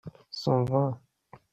son vin.